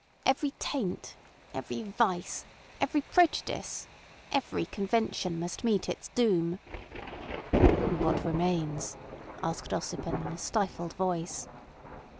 Every taint, every vice, every prejudice, every convention must meet its doom." "And what remains?" asked Ossipon in a stifled voice.